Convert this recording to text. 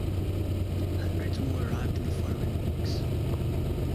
Hundreds more arrived in the following weeks.